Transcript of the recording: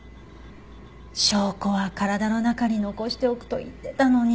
証拠は体の中に残しておくと言ってたのに。